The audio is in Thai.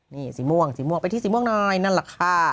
นี่สีม่วงสีม่วงไปที่สีม่วงหน่อยนั่นแหละค่ะ